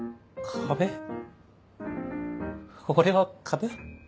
俺は壁。